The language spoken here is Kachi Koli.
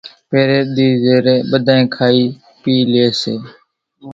پھرين ۮي زيرين ٻڌانئين کائي پِي لئي سي